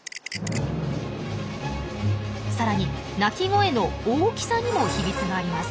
さらに鳴き声の大きさにも秘密があります。